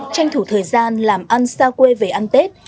tranh thủ thời gian làm ăn xa quê về ăn tết